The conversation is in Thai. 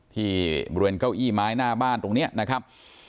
ที่บริเวณเก้าอี้ไม้หน้าบ้านตรงนี้นะครับ